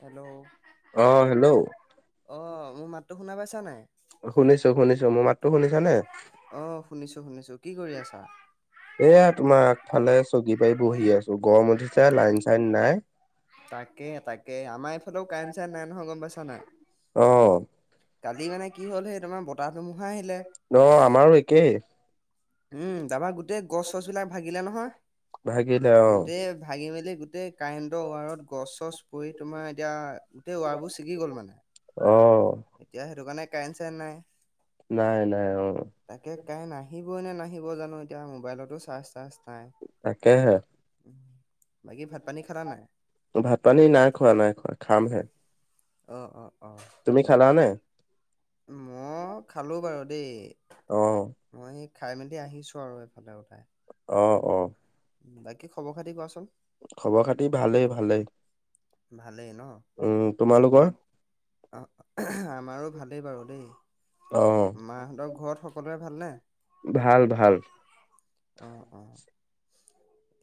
Hello. অ', hello. অ মোৰ মাতটো শুনা পাইছানে নাই? শুনিছো, শুনিছো। মোৰ মাতটো শুনিছানে? অ শুনিছো শুনিছো কি কৰি আছা এয়া তোমাৰ আগফালে চকী পাৰি বহি আছো। গৰম উঠি লাইন চাইন নাই। তাকে তাকে আমাৰ এইফালেও কাৰেণ্ট চাইণ্ট নাই নহয় গম পাইছা নাই? অ কালি মানে কি হ'ল সেই তোমাৰ বতাহটো ন আমাৰো একেই। উম তাপা গোটেই গছ চছ বিলাক ভাগিলে নহয় ভাগিলে অ গোটেই ভাগি মেলি গো গোটেই কাৰেণ্টৰ ওৱাৰত গছ চছ পৰি তোমাৰ এতিয়া গোটেই ৱাৰবোৰ ছিগি গ'ল মানে অ। কাৰেন্ট, চাৰেন্ট নাই। নাই নাই অ'। কাৰেন্ট আহিবয়ে নে নাহিব জানো এতিয়া মোবাইলতো চাৰ্জ তাছ নাই। তাকেহে বাকী ভাত পানী খালা নাই ভাত পানী নাই খোৱা, নাই খোৱা খামহে। অ', অ'। তুমি অ খালা নে? মই খালো বাৰু দেই অ মই সেই। খাই মেলি আহিছো আৰু এফালে উঠাই। অ', অ'। বাকী খবৰ খাতি কোৱাচোন? খবৰ খাতি ভালেই ভালেই। ভালেই ন উম তোমালোকৰ? আমাৰো ভালেই বাৰু দেই। অ মাহঁতৰ ঘৰত সকলোৰে ভালনে? ভাল ভাল। অ', অ'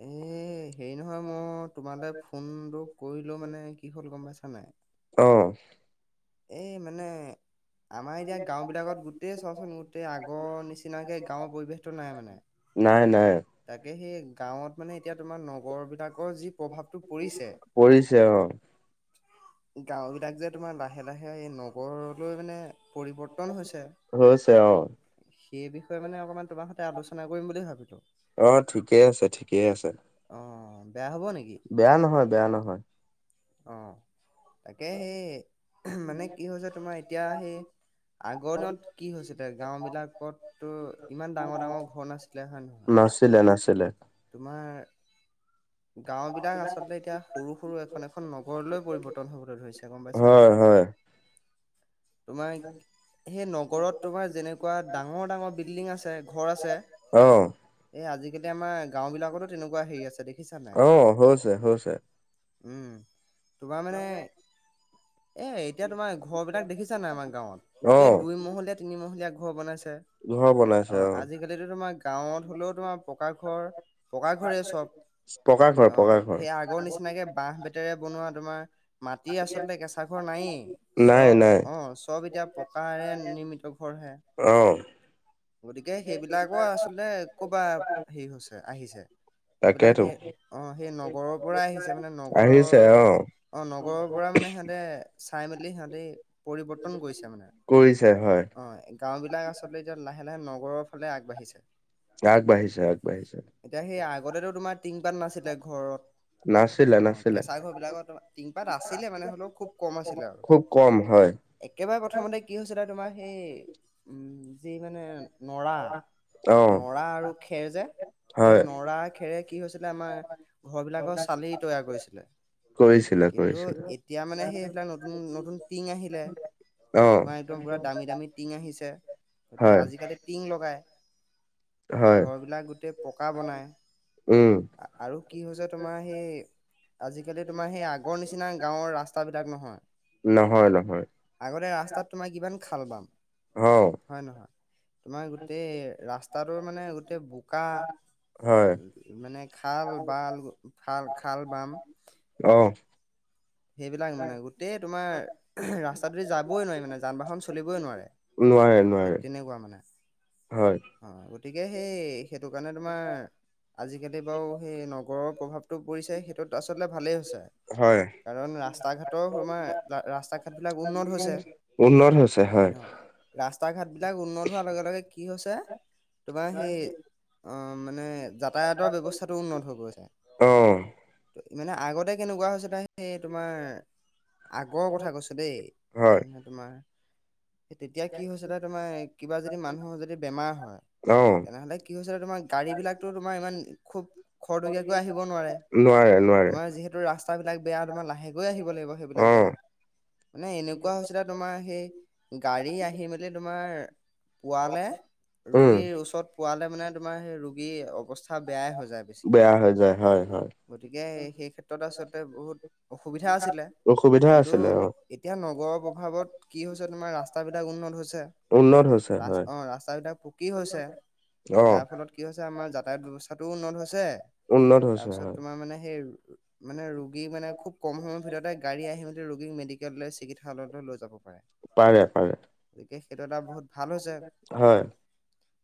এই হেৰি নহয় মই তোমালৈ ফোনটো কৰিলেও মানে কি হ'ল গম পাইছা নাই? অ'। এই মানে আমাৰ এতিয়া গাও বিলাকত গোটেই চোৱাচোন গোটেই আগৰ নিচিনাকে গাঁৱৰ পৰিৱেশতটো নাই মানে। নাই নাই তাকে সেই গাঁৱত মানে এতিয়া তোমাৰ নগৰ বিলাক যি প্ৰভাৱটো পৰিছে পৰিছে অ। গাঁও বিলাক যে তোমাৰ লাহে লাহে এই নগৰলৈ মানে পৰিৱৰ্তন হৈছে। হৈছে অ'। সেই বিষয়ে মানে অকমান তোমাৰ সৈতে আলোচনা কৰিম বুলি ভাবিলো। অ' ঠিকে আছে, ঠিকে আছে। অ' বেয়া হ'ব নেকি? বেয়া নহয়, বেয়া নহয়। অ তাকে সেই মানে কি হৈছে তোমাৰ এতিয়া সেই আগৰ দিনত কি হৈছিলে গাঁও বিলাকতো ইমান ডাঙৰ-ডাঙৰ ঘৰ নাছিলে, হয়ে নহয়? নাছিলে নাছিলে তোমাৰ গাঁও বিলাক আচলতে এতিয়া সৰু সৰু এখন এখন নগৰলৈ পৰিৱৰ্তন হবলৈ ধৰিছে গম পাইছা হয় নাই। [inaudible] [inaudible] সেই নগৰত তোমাৰ যেনেকুৱা ডাঙৰ ডাঙৰ বিল্ডিং আছে, ঘৰ আছে। অ এ আজিকালি আমাৰ গাঁও বিলাকতো তেনেকুৱা হেৰি আছে দেই অ', হৈছে হৈছে। উম, তোমাৰ মানে এ এতিয়া তোমাৰ ঘৰ বিলাক দেখিছা নাই আমাৰ গাঁৱত, অ গোটেই দুই মহহলীয়া তিনিমহলীয়া ঘৰ বনাইছে। ঘৰ বনাইছে অ আজিকালিতো তোমাৰ গাঁৱত হলেও তোমাৰ পকা ঘৰ পকা ঘৰে চব। পকা ঘৰ অ' পকা ঘৰ খেইয়া আগৰ নিচিনাকে বাঁহ বেতেৰে বনোৱা তোমাৰ মাটি আচলতে কেঁচা ঘৰ নায়েই নাই চব নাই অ' চব এতিয়া পকাৰে নিৰ্মিত ঘৰ হে। অ'। গতিকে সেইবিলাকো আচলতে কৰ'বাত হেৰি হৈছে আহিছে। সেইবিলাক তাকেটো। সেই অ সেই নগৰৰ পৰাই আহিছে। মানে নগৰৰ আহিছে অ অ নগৰৰ পৰা মানে সিহঁতে চাই মেলি সিহঁতে পৰিৱৰ্তন কৰিছে মানে। কৰিছে হয় অ গাঁও বিলাক আচলতে এতিয়া লাহে লাহে নগৰৰ ফালে আগবাঢ়িছে। আগবাঢ়িছে আগবাঢ়িছে। এতিয়া সেই আগতেতো তোমাৰ টিংপাত নাছিলে ঘৰত নাছিলে অ নাছিলে কেঁচা ঘৰ বিলাকত, টিংপাত আছিলে মানে হ'লেও খুব কম আছিলে আৰু। খুব কম হয় একেবাৰে প্ৰথমতে কি হৈ হৈছে তাই তোমাৰ, সেই উম যি মানে নৰা অ নৰা আৰু খেৰ যে সেই হয় নৰা খেৰে কি হৈছিলে আমাৰ ঘৰ বিলাকৰ চালি তৈয়াৰ কৰিছিলে। কৰিছিলে কিন্তু কৰিছিলে এতিয়া মানে সেইবিলাক নতুন নতুন টিং আহিলে। অ তোমাৰ একদম পুৰা দামী দামী টিং আহিছে, গতিকে হয় আজিকালি টিং লগাই। হয় ঘৰবিলাক গোটেই পকা উম বনায়। আৰু কি হৈছে তোমাৰ সেই আজিকালি তোমাৰ সেই আগৰ নিচিনা গাঁওৰ ৰাস্তাবলাক নহয়। আগতে ৰাস্তাত তোমাৰ কিমান খাল-বাম, অ হয় নহয়? তোমাৰ গোটেই ৰাস্তাটোৰ মানে গোটেই বোকা হয় মানে খাল বাল খাল-খাল বাম অ সেইবিলাক মানে, গোটেই তোমাৰ ৰাস্তাটোদি যাবই নোৱাৰি মানে যান বাহন চলিবই নোৱাৰে। নোৱাৰে নোৱাৰে তে-তেনেকুৱা মানে। হয় অ গতিকে সেই সেইটো কাৰণে তোমাৰ আজিকালি বাৰু সেই নগৰৰ প্ৰভাৱটো পৰিছে, সেইটোত আচলতে ভালেই হৈছে। হয় কাৰণ ৰাস্তা [unintelligible] ৰাস্তা ঘাট বিলাক উন্নত হৈছে। উন্নত হৈছে হয় ৰাস্তা ঘাট বিলাক উন্নত হোৱাৰ লগে লগে কি হৈছে তোমাৰ সেই অ মানে যাতায়াতৰ ব্যৱস্থাতটো উন্নত হৈ গৈছে। অ মানে আগতে কেনেকুৱা হৈছে তাই সেই তোমাৰ আগৰ কথা কৈছো দেই, হয় মে তোমাৰ তেতিয়া কি হৈছিল তোমাৰ কিবা যদি মানুহ যদি বেমাৰ হয়। অ তেনেহলে কি হৈছিলে তোমাৰ গাড়ী বিলাকতো তোমাৰ ইমান খুব খৰতকীয়াকৈ আহিব নোৱাৰে। নোৱাৰে নোৱাৰে তোমাৰ যিহেতু ৰাস্ত ৰাস্তাবিলাক বেয়া তোমাৰ লাহেকৈ আহিব লাগিব অ সেইবিলাক জেগাত। মানে এনেকুৱা হৈছিলে তোমাৰ সেই গাড়ী আহি মেলি তোমাৰ পোৱালে, উম ৰোগীৰ ওচৰত পোৱালে মানে তোমাৰ সেই ৰোগী অৱস্থা বেয়াই হৈ যায় বেছি। বেয়া হৈ যায় হয় হয় গতিকে সেই ক্ষেত্ৰত আচলতে বহুত অসুবিধা আছিলে। অসুবিধা কিন্তু আছিলে অ এতিয়া নগৰৰ প্ৰভাৱত কি হৈছে তোমাৰ ৰাস্তাবিলাক উন্নত হৈছে। উন্নত হৈছে ৰাস হয় অ', ৰাস্তা কি হৈছে, অ যাৰ ফলত কি হৈছে আমাৰ যাতায়াত ব্যৱস্থাতটোও উন্নত হৈছে উন্নত তাৰ হৈছে পিছত হয় তোমাৰ মানে সেই মানে, ৰোগী মানে খুব কম সময়ৰ ভিতৰতে, গাড়ী আহি মেলি ৰোগীক, মেডিকেললৈ, চিকিৎসালয়লৈ লৈ যাব। পাৰে পাৰে গতিকে, সেইটো এটা বহুত ভাল হৈছে হয় কথাটো।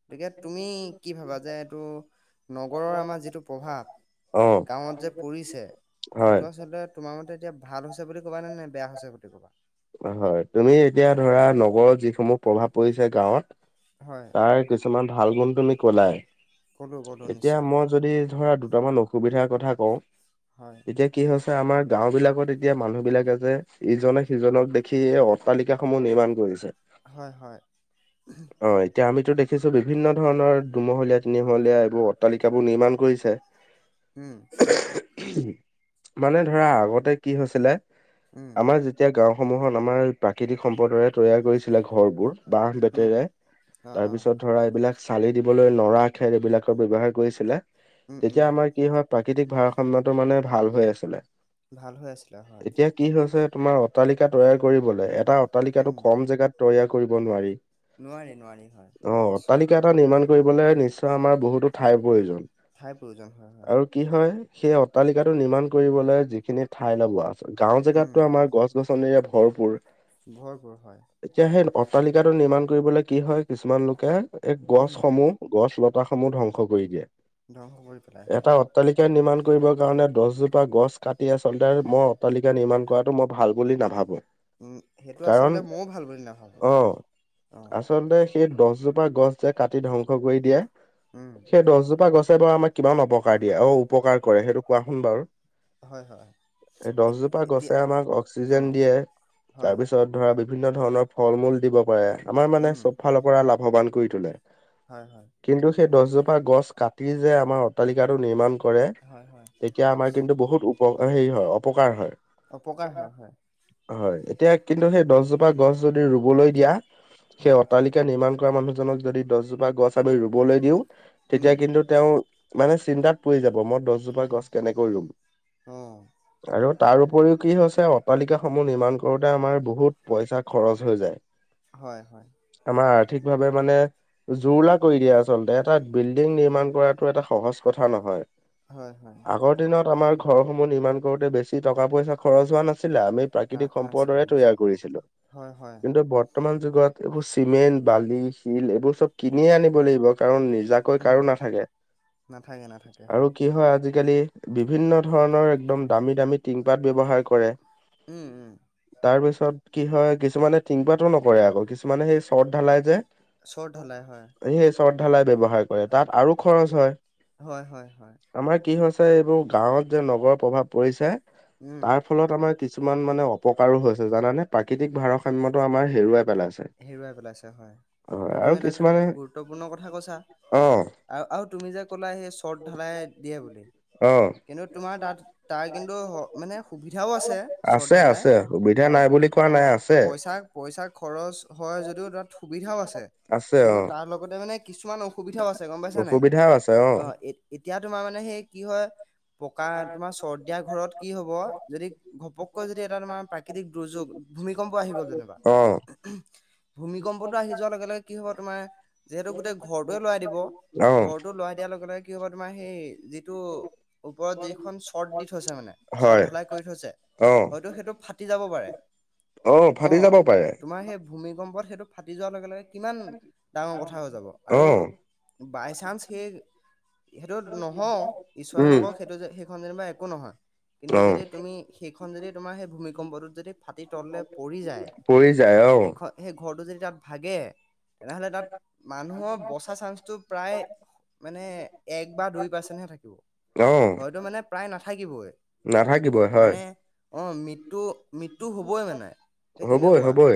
তিকে, তুমি কি ভাবা যে, এইটো নগৰৰ আমাৰ যিটো প্ৰভাৱ, অ গাঁৱত যে পৰিছে, হয় সেইটো আচলতে তোমাৰ এতিয়া ভাল হৈছে বুলি কবা নে, নে বেয়া হৈছে বুলি ক'বা? হয়, তুমি এতিয়া ধৰা, নগৰৰ যিসমূহ প্ৰভাৱ পৰিছে, গাঁৱত হয় তাৰ, কিছুমান ভাল গুণ তুমি কলাই ক'লো ক'লো এতিয়া, নিশ্চয় মই যদি ধৰা দুটামান অসুবিধাৰ কথা কওঁ। হয় এতিয়া কি হৈছে, আমাৰ গাঁও বিলাকত, এতিয়া মানুহ বিলাকে যে, ইজনে সি সিজনক দেখি, এই অট্টালিকা সমূহ নিৰ্মাণ কৰিছে। হয় হয় অ', এতিয়া আমিতো দেখিছো বি ভিন্ন ধৰণৰ, দুমহলীয়া, তিনিমহলীয়া এইবোৰ অট্টালিকাবোৰ নিৰ্মাণ কৰিছে। উম মানে ধৰা, আগতে কি হৈছিলে, উম আমাৰ এতিয়া গাওঁসমূহত, আমাৰ প্ৰাকৃতিক সম্পদৰে তৈয়াৰ কৰিছিলে ঘৰবোৰ, বাঁহ, উম বেতেৰে অঁ অঁ তাৰপিছত, ধৰা এইবিলাক চালি দিব বলৈ, নৰা, খেৰ এইবিলাকৰ ব্যৱহাৰ কৰিছিলে। উম উম তেতিয়া, আমাৰ কি হয় ম, প্ৰাকৃতিক ভাৰাসা খণ্ডটো মানে ভাল হৈ আছিলে। ভাল হৈ আছিলে হয় এতিয়া কি হৈছে, তোমাৰ অ লিকা তৈয়াৰ কৰিবলৈ, এটা অট্টালিকাটো, উম কম জেগাত তৈয়াৰ কৰিব নোৱাৰি। নোৱাৰি নোৱাৰি হয় অ', নিশ্চয় অট্টালিকা এটা নিৰ্মাণ কৰিবলৈ নিশ্চয়, আমাৰ বহুতো ঠাইৰ প্ৰয়োজন। ঠাইৰ প্ৰয়োজন হয় হয় আৰু কি হয়, সেই অট্টালিকাটো নিৰ্মাণ কৰিবলৈ যি ঠাই অলপ লোৱা আছে, গাঁও উম জেগাতটো আমাৰ, গছ-গছনিৰে ভৰপুৰ। পুৰ হয়। এতিয়া সেই, অট্টালিকাটো নিৰ্মাণ কৰিবলৈ কি হয়, কিছুমান লোকে, এই উম গছসমূহ, গছ লতাসমূহ ধ্বং স কৰি দিয়ে। [unintelligible] এটা অট্টালিকা, নিৰ্মাণ কৰিবৰ কাৰণে দহজোপা গছ কাটি আচলতে মই অট্টালিকা নিৰ্মাণ কৰাটো মই ভাল বুলি নাভাবো। উম সেইটো কাৰণ, আচলতে ময়ো ভাল বুলি নাভাবোঁ অ',। অ আচলতে, সেই দছজোপা গছ যে কাটি ধ্বংস কৰি দিয়ে উম সেই দহজোপা গছে বাৰু আমাক কিমান অপকাৰ দিয়ে, অআৰু উপকাৰ কৰে, সেইটো কোৱাহোন বাৰু। হয় হয় এই এত- দহজোপা এতিয়া গছে আমাক অ চিজেন দিয়ে, তাৰ হয় পিছত ধৰা, বিভিন্ন ধৰণৰ ফল-মূল দিব পাৰে। আমাৰ মানে উম চব ফালৰ পৰা লাভৱান কৰি তোলে। হয় হয় কিন্তু, সেই দছজোপা গছ কাটি যে আমাৰ অট্টালিকাটো নিৰ্মান কৰে, হয় হয় তেতিয়া আমাৰ কিন্তু বহুত উপ হেৰি হয়, অপকাৰ হয়। এ হয়, হয়। হয়, এতিয়া, কিন্তু সেই দছজোপা গছ যদি ৰুবলৈ দিয়া সেই হয় অটালিকা নিৰ্মাণ কৰা মানুহজনক যদি দহ জোপ দি ৰুবলৈ দিওঁ, তেতিয়া উম কিন্তু তেওঁ, মানে চিন্তাত পৰি যাব, মই দছজোপা গছ কেনেকৈ ৰুম। অ',। আৰু তাৰ উপৰি কি হৈছে, অট্টলিকাসমূহ নিৰ্মাণ কৰোঁতে আমাৰ বহুত, পইচা খৰচ হৈ হয় হয় যায়। আমাৰ আৰ্থিক ভাৱে মানে, জোৰুলা কৰি দিয়া আচলতে, এটা বিল্ডিং নিৰ্মাণ কৰাটো, এটা সহজ কথা নহয়। হয় হয় আগৰ দিনত আমাৰ, ঘৰসমূহ নিৰ্মাণ কৰোঁতে বেছি টকা পইচা যোৱা নছিলে, আমি না প্ৰাকৃতিক নাছিলে সম্পদৰে তৈয়াৰ নাছিলে কৰিছিলোঁ। হয় হয় কিন্তু, বৰ্তমান যুগত, এইবোৰ চিমেণ্ট, বালি, শিল এইবোৰ চ'ব কিনিয়ে আনিব লগ কাৰণ, নিজাকৈ উম কাৰো নাথাকে। নাথাকে নাথাকে আৰু কি হয়, আজিকালি বিভিন্ন ধৰণৰ একদম, দামী-দামী টিংপাত ব্যৱহাৰ কৰে। উম উম তাৰ পিছত কি হয় কিছুমানে থিংপাতো নকৰে আকৌ কিছুমানে সেই শ্বট ঢালাই যে শ্বৰ্ট হ'লে হয়। ালাই ব্যৱহাৰ কৰে তাত আৰু খৰচ হয়। হয় হয় হয় আমাৰ কি হৈছে এইবোৰ গাঁৱত যে নগৰৰ প্ৰভাৱ পৰিছে। উম তাৰ ফলত আমাৰ কিছুমান মানে অপকাৰো হৈছে জানানে, প্ৰাকৃতিক ভাৰসাম্যটো আমাৰ হেৰুৱাই পেলাইছে। হেৰুৱাই পেলাইছে হয়, হয় টো আৰু তুমি এটা খু কিছুমানে গুৰু পোনৰ কথা কৈছা, অ', আৰু আৰু তুমি যে ক'লা সেই শৰ্ট ঢালাই দিয়ে বুলি অ', কিন্তু তোমাৰ তাত তাৰ কিন্তু মানে সুবিধাও আছে শ্ৰত আছে ঢালাই। আছে সুবিধা অ', নাই বুলি কোৱা নাই অ', আছে পইচা, পইচা খৰচ হয় যদিও তাত সু আছে কিন্তু অ'। তাৰ লগতে মানে কিছুমান অ সুবিধাও আছে গম পাইছা নাই, অসুবিধাও আছে অ', এ এতিয়া তোমাৰ মানে সেই কি হয় পকা তোমাৰ চৰ্দিয়া ঘৰত কি হব যদি ঘপককৈ যদি এটা তোমাৰ প্ৰাকৃতিক দুৰ্যোগ ভূমিকম্প আহি গ'ল যেনিবা অ', ভূমিকম্পটো আহি যোৱাৰ লগে লগে কি হব তোমাৰ যিহেতু গোটেই ঘৰটোৱে লৰাই দিব অ', ঘৰটো লৰাই দিয়াৰ লগে লগে, কি হব তোমাৰ সেই যিটো ওপৰত যিখন শৰ্ট দি থৈছে মানে হয় চৰ্ট ঢালাই কৰি থৈছে। হয়তো সেইটো ফাটি যাব পাৰে। আহ অ ফাটি যাব পাৰে। তোমাৰ সেই ভূমিকম্পত সেইটো ফাটি যোৱাৰ লগে লগে কিমান ডাঙৰ কথা হৈ যাব আৰু অ', বাই চান্স সেই সেইটো নহও ঈশ্বৰে উম, নকও সেইটো যে সেইখন যেনিবা একো নহয়। কিন্তু অ', যদি তুমি সেইখন যদি তোমাৰ সেই ভূমিকম্পটোত যদি ফাটি তললে পৰি যায়। পৰি যায় অ', সেইখন সেই ঘৰটো যদি তাত ভাগে তেনেহলে তাত মানুহৰ বচা চানসটো প্ৰায় মানে এক বা দুই পাৰ্চেন্টহে থাকিব। অ', হয়তো মানে প্ৰায় নাথাকিবই, নাথাকিবই হয় মানে অ' মৃত্যু, মৃত্যু হবই মানে। হ'বই হ'বই।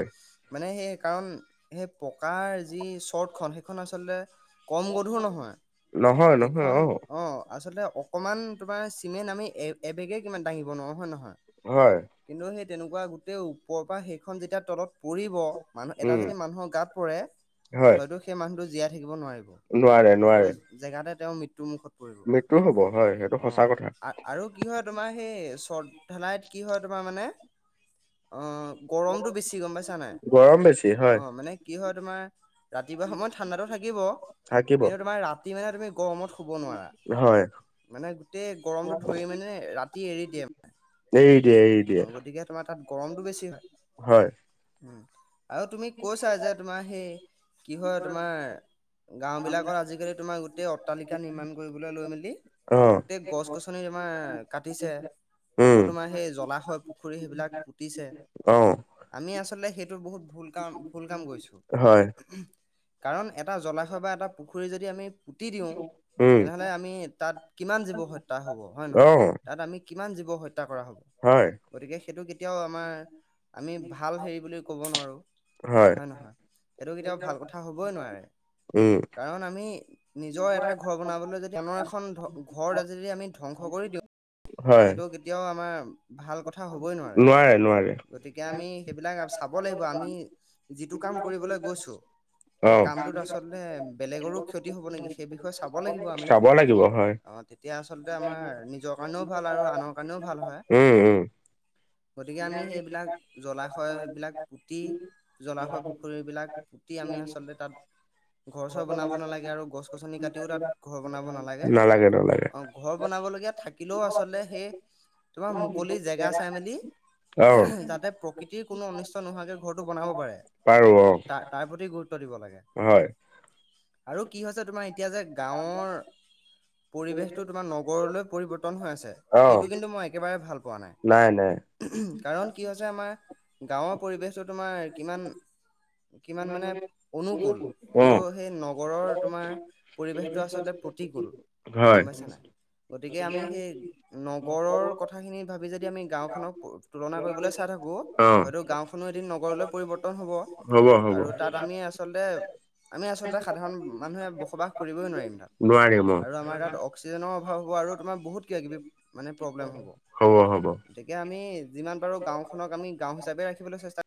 স কাৰণ সেই পকাৰ যি শৰ্টখন সেইখন আচলতে কম গধুৰ নহয়, নহয় নহয় এইখন অ' আচলতে অকণমান তোমাৰ চিমেণ্ট আমি এবেগে কিমান দাঙিব নোৱাৰোঁ হয় নহয়? হয়। কিন্তু সেই তেনেকুৱা গোটেই ওপৰৰ পৰা সেইখন যেতিয়া তলত পৰিব মানুহ এটা উম, যদি মানুহৰ গাত পৰে, হয়। হয়তো সেই মানুহটো জীয়াই নোৱাৰে সেইটো নোৱাৰে জেগাতে তেওঁৰ মৃত্্যু মুখত মৃত্যু হ'ব হয় সেইটো সঁচা কথা। ধনাইত কি হয় তোমাৰ মানে, অআ গৰমতটো বেছি গম পাইছা নাই, গৰম বেছি হয় অ' মানে কি হয় তোমাৰ ৰাতিপুৱা সময়ত ঠাণ্ডাটো থাকিব থাকিব কিন্তু তোমাৰ ৰাতি মানে তুমি গৰমত শুব নোৱাৰা, হয় মানে গোটেই গৰমটো ধৰি মানে ৰাতি এৰি দিয়ে মে এৰি দিয়ে এৰি দিয়ে অ' গতিকে তোমাৰ তাত গৰমটো বেছি হয়। আৰু তুমি কৈছা যে তোমাৰ, সেই কি হয়ৰ তোমাৰ গাও বিলাকৰ আজিকালি তোমাৰ গোটেই অট্টালিকা নিৰ্মাণ কৰিবলৈ লৈ মেলি অ গোটেই গছ গছনি তোমাৰ কাটিছে, উম আকৌ তোমাৰ সেই জলাই হয় পুখুৰী সেইবিলাক পুতিছে। অ'। আমি আচলতে সেইটো বহুত ভুল কাম ভুল কাম কৰিছোঁ হয় কাৰণ এটা জলাশয় বা এটা পুখুৰী যদি আমি পুতি দিওঁ। উম তেনেহলে আমি তাত কিমান জীৱ হত্্যা হব হয় অ নহয়, তাত আমি কিমান জীৱ হ কৰা হ'ব। হয় গতিকে সেইটো কেতিয়াও আমাৰ আমি ভাল হেৰি বুলি কব নোৱাৰো। হয় নহয়, সেইটো কেতিয়াাবও ভাল কথা হবই নোৱাৰে, উম কাৰণ আমি আমি নিজৰ এটা ঘৰ বনাবলৈ যদি আনৰ এখন ঘ আজি যদি আমি ধ্বংস কৰি দিওঁ। হয় সেইটো কেতিয়াও আমাৰ ভাল কথা হবই নোৱাৰে, গতিকে আমি সেইবিলাক চাব লাগিব আমি যিটো ক কাম কৰিবলৈ গৈছো। অ সেই কামটোত আচলতে বেলেগৰো ক্ষতি হব নেকি সেই বিষয়ে চাব লাগিব আমি, চাব লাগিব হয় অ'। অ' তেতিয়া আচলতে আমাৰ নিজৰ কাৰণেও ভাল আৰু আনৰ কাৰণেও ভাল হয়। উম উম। গতিকে আমি সেইবিলাক জলাশয়বিলাক পুতি জলাশয় পুখুৰীবিলাক পুতি আমি আচলতে তাত ঘৰ চৰ বনাব নালাগে আৰু গছ গছনি কাটিও তাত ঘৰ বনাব নালাগে, অ' ঘৰ বনাব থাকিলেও আচলতে, সেই তোমাৰ মুকলি জেগা চাই মেলি অ যাতে প্ৰকৃতিৰ কোনো অনিষ্ট নোহোৱাকে ঘৰটো বনাব পাৰে। পাৰো অ ত তাৰ প্ৰতি গুৰুত্ব দিব লাগে। [inaudible] আৰু কি হৈছে তোমাৰ এতিয়া যে গাঁৱৰ পৰিৱেশটো তোমাৰ নগৰলৈ পৰিৱৰ্তন হৈ আছে। অ সেইটো কিন্তু মই একেবাৰে ভাল পোৱা নাই কাৰণ কি হৈছে আমাৰ গাঁৱৰ পৰিৱেশটো তোমাৰ কিমান কিমান মানে অনুকুল অ কিন্তু সেই নগৰৰ তোমাৰ পৰিৱেশটো আচলতে প্ৰতিক গল গম পাইছা হয় না গতিকে আমি সেই নগৰৰ কথাখিনি ভাবি যদি আমি গাঁওখননক তুলনা কৰিবলৈ চাই থাকো অ হয়তো গাঁওখনো এ নগৰলৈ পৰিৱৰ্তন হ'ব। আৰু তাত আমি আচলতে আমি আচলতে সাধাৰণ মানুহে বসবাস কৰিবই নোৱাৰিম তাত। নোৱাৰিম অ আৰু আমাৰ তাত অক্সিজেনৰ অভাৱ হ'ব আৰু তোমাৰ বহুত কিবা কিবি মানে প্ৰব্লেম হ'ব, গতিকে আমি আম যিমান পাৰো গাওখনক আমি গাও হিচাপে ৰাখিবলৈ চেষ্টা